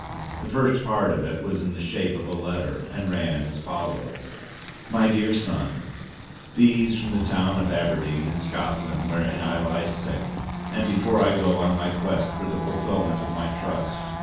The first part of it was in the shape of a letter, and ran as follows: "My deare Sonne, These from the towne of Aberdeyne in Scotland wherin I lie sick, and before I go on my quest for the fullfillment of my Trust.